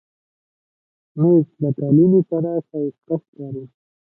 مېز له قالینې سره ښایسته ښکاري.